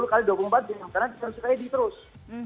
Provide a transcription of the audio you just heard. karena dia harus ready terus